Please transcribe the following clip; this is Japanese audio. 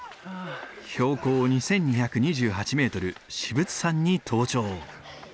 標高２，２２８メートル至仏山に登頂。